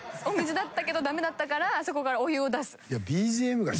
お水だったけどダメだったからあそこからお湯を出す。